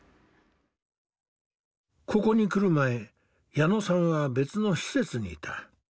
ここに来る前矢野さんは別の施設にいた。